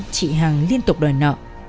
chị hằng liên tục đòi nợ